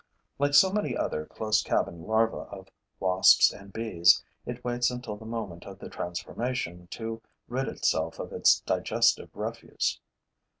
Like so many other close cabined larvae of Wasps and Bees, it waits until the moment of the transformation to rid itself of its digestive refuse.